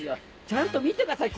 ちゃんと見てください